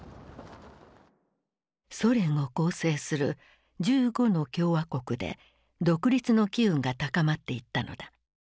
ソ連を構成する１５の共和国で独立の機運が高まっていったのだ。